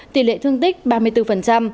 tỷ lệ thương tích ba mươi bốn